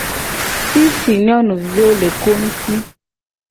Fifi nyonuviwo le ko ngti.